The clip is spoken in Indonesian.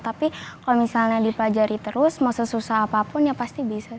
tapi kalau misalnya dipelajari terus mau sesusah apapun ya pasti bisa